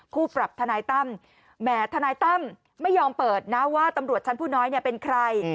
ปรับทนายตั้มแหมทนายตั้มไม่ยอมเปิดนะว่าตำรวจชั้นผู้น้อยเป็นใคร